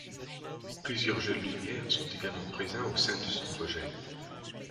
Plusieurs jeux de lumière sont également présents au sein de ce projet.